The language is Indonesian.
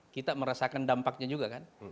kita merasakan dampaknya juga kan